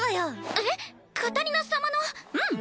えっカタリナ様の⁉うん。